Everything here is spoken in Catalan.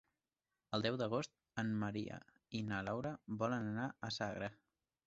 El deu d'agost en Maria i na Laura volen anar a Sagra.